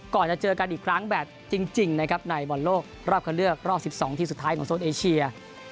ก่อนจะเจอกันอีกครั้งแบบจริงนะครับในบอลโลกรอบคันเลือกรอบ๑๒ทีมสุดท้ายของโซนเอเชีย